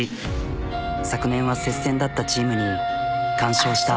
昨年は接戦だったチームに完勝した。